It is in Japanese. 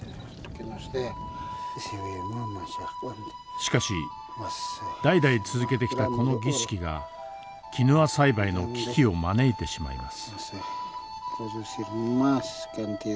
しかし代々続けてきたこの儀式がキヌア栽培の危機を招いてしまいます。